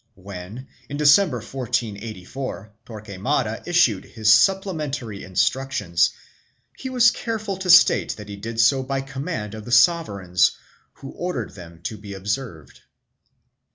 When, in December 1484, Torquemada issued his supplementary instructions, he was careful to state that he did so by command of the sovereigns, who ordered them to be observed.